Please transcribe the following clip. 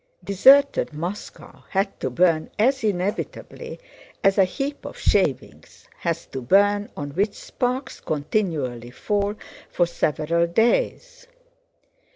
Deserted Moscow had to burn as inevitably as a heap of shavings has to burn on which sparks continually fall for several days.